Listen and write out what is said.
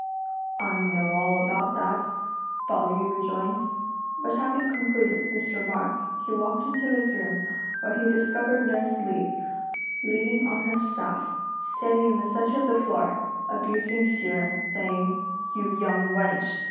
"I know all about that!" Pao yü rejoined. But having concluded this remark, he walked into his room, where he discovered nurse Li, leaning on her staff, standing in the centre of the floor, abusing Hsi Jen, saying: "You young wench!